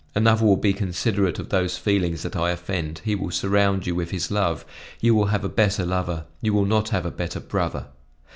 Another will be considerate of those feelings that I offend, he will surround you with his love; you will have a better lover, you will not have a better brother.